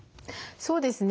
そうですね。